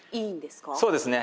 そうですね。